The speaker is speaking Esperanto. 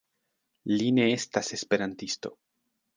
Li ne estas esperantisto.